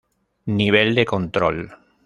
Nivel de control.